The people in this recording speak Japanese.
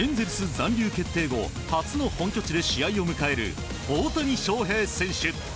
残留決定後初の本拠地で試合を迎える大谷翔平選手。